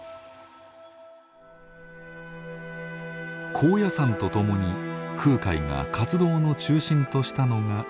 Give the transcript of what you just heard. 高野山と共に空海が活動の中心としたのが京都です。